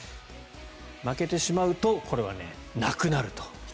負けてしまうとこれは、なくなると。